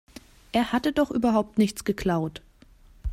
Er hatte doch überhaupt nichts geklaut.